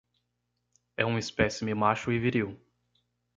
É um espécime macho e viril